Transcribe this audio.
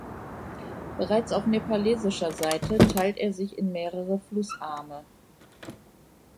Bereits auf nepalesischer Seite teilt er sich in mehrere Flussarme.